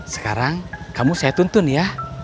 sekarang kamu saya tuntun ya